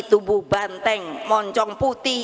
tubuh banteng moncong putih